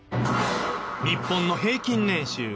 日本の平均年収